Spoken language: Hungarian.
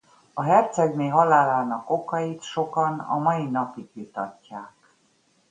A hercegné halálának okait sokan a mai napig vitatják.